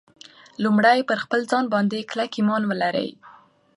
لومړی پر خپل ځان باندې کلک ایمان ولرئ